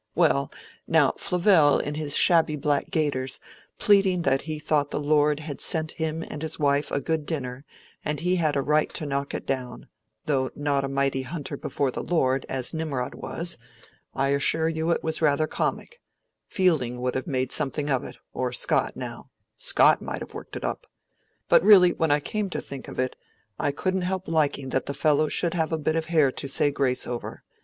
Well, now, Flavell in his shabby black gaiters, pleading that he thought the Lord had sent him and his wife a good dinner, and he had a right to knock it down, though not a mighty hunter before the Lord, as Nimrod was—I assure you it was rather comic: Fielding would have made something of it—or Scott, now—Scott might have worked it up. But really, when I came to think of it, I couldn't help liking that the fellow should have a bit of hare to say grace over.